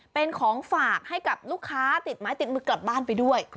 เป็นของฝากให้กับลูกค้าติดไม้ติดมือกลับบ้านไปด้วย